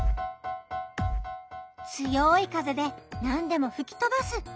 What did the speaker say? つよいかぜでなんでもふきとばす。